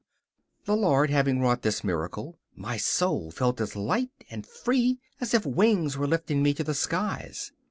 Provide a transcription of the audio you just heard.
The Lord having wrought this miracle, my soul felt as light and free as if wings were lifting me to the skies.